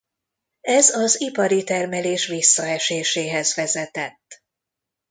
Ez az ipari termelés visszaeséséhez vezetett.